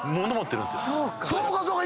そうかそうか。